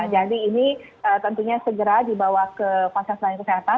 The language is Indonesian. jadi ini tentunya segera dibawa ke fasilitas